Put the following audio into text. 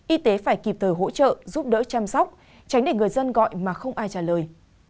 y tế phải kịp thời hỗ trợ giúp đỡ chăm sóc tránh để người dân gọi mà không ai trả lời